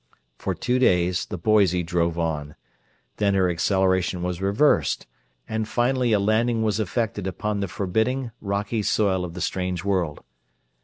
For two days the Boise drove on; then her acceleration was reversed, and finally a landing was effected upon the forbidding, rocky soil of the strange world.